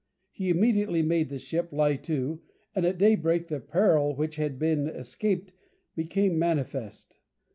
He immediately made the ship lie to, and at daybreak the peril which had been escaped became manifest.